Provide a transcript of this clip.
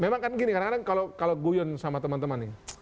memang kan gini kadang kadang kalau guyun sama teman teman nih